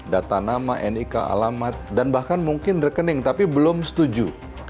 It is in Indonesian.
data nama nik alamat dan bahkan mungkin rekening tapi belum setuju